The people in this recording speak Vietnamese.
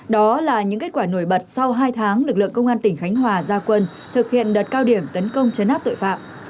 đó là những kết quả nổi bật sau hai tháng lực lượng công an tỉnh khánh hòa ra quân thực hiện đợt cao điểm tấn công chấn áp tội phạm